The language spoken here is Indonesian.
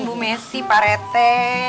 bu messi pak rete